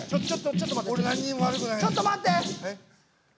ちょっと待って！